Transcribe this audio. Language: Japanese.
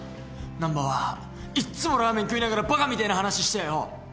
難破はいっつもラーメン食いながらバカみてえな話してよ。